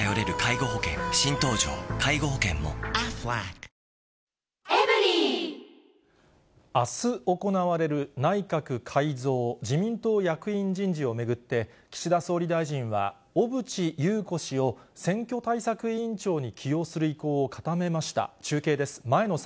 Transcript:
おいしくしたいただそれだけ清々堂々清らかなる傑作「伊右衛門」あす行われる内閣改造・自民党役員人事を巡って、岸田総理大臣は、小渕優子氏を選挙対策委員長に起用する意向を固めました。